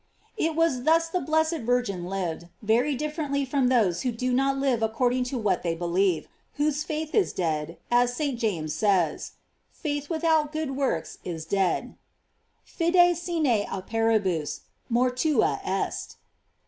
"* It was thus the blessed Virgin lived, very differently from those who do not live according to what they believe, whose faith is dead, as St. James says: Faith without good works is dead: " Fide sine operibus mortua est."